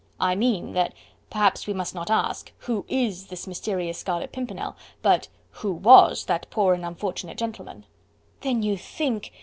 "I mean, that perhaps we must not ask, 'who IS this mysterious Scarlet Pimpernel?' but 'who WAS that poor and unfortunate gentleman?'" "Then you think..."